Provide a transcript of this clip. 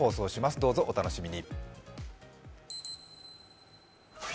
どうぞお楽しみに。